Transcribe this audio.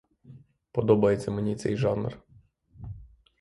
Подобається мені цей жанр.